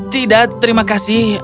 tidak terima kasih